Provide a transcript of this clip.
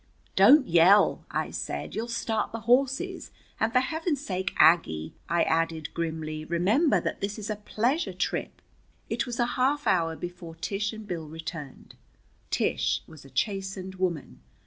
"Don't yell," I said. "You'll start the horses. And for Heaven's sake, Aggie," I added grimly, "remember that this is a pleasure trip." It was a half hour before Tish and Bill returned. Tish was a chastened woman.